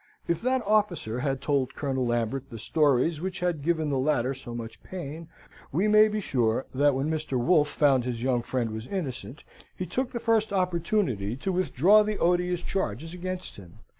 If that officer had told Colonel Lambert the stories which had given the latter so much pain, we may be sure that when Mr. Wolfe found his young friend was innocent, he took the first opportunity to withdraw the odious charges against him.